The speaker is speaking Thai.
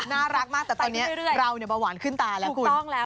น่ารักมากแต่ตอนนี้เราเนี่ยเบาหวานขึ้นตาแล้วคุณ